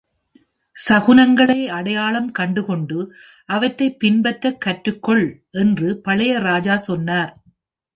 "சகுனங்களை அடையாளம் கண்டுகொண்டு அவற்றைப் பின்பற்ற கற்றுக்கொள்" என்று பழைய ராஜா சொன்னார்.